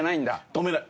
止めない。